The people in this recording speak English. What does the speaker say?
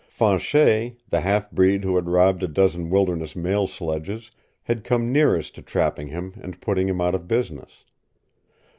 Fanchet, the half breed who had robbed a dozen wilderness mail sledges, had come nearest to trapping him and putting him out of business.